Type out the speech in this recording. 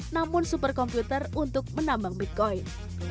namun superkomputer untuk menambang bitcoin